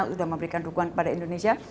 sudah memberikan dukungan kepada indonesia